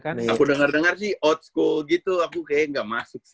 aku dengar dengar sih otsco gitu aku kayaknya gak masuk sih